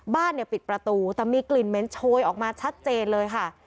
บ้านเนี่ยปิดประตูแต่มีกลิ่นเหม็นโชยออกมาชัดเจนเลยค่ะ